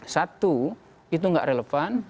satu itu nggak relevan